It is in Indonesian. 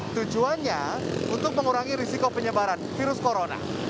tujuannya untuk mengurangi risiko penyebaran virus corona